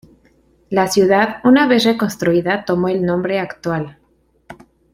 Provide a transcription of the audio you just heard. La ciudad, una vez reconstruida, tomó el nombre actual.